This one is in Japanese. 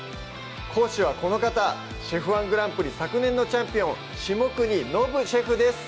講師はこの方ＣＨＥＦ−１グランプリ昨年のチャンピオン・下國伸シェフです